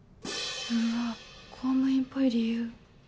うわ公務員っぽい理由。